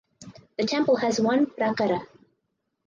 The temple has one prakara.